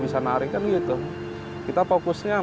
di mana ada tiga rumah yang berada di jawa tenggara